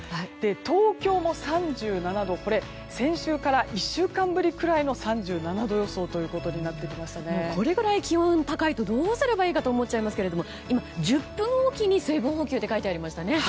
東京も３７度先週から１週間ぶりくらいのこれくらい気温が高いとどうすればいいかと思っちゃいますが今、１０分おきに水分補給って書いてありましたね。